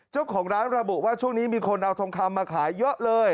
เจ้าของร้านระบุว่าช่วงนี้มีคนเอาทองคำมาขายเยอะเลย